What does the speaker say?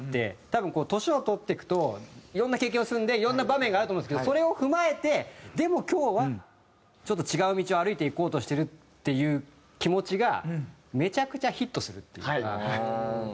多分年を取っていくといろんな経験を積んでいろんな場面があると思うんですけどそれを踏まえてでも今日はちょっと違う道を歩いていこうとしてるっていう気持ちが。